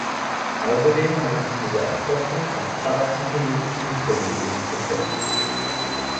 Außerdem hat er sich mit der Erforschung von parapsychologischen Phänomenen beschäftigt.